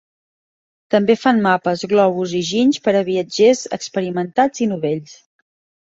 També fan mapes, globus i ginys per a viatgers experimentats i novells.